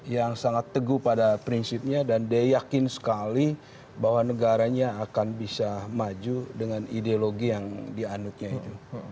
yang sangat teguh pada prinsipnya dan dia yakin sekali bahwa negaranya akan bisa maju dengan ideologi yang dianutnya itu